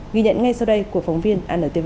ghi nhận ngay sau đây của phóng viên anntv